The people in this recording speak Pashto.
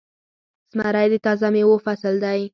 زمری د تازه میوو فصل دی.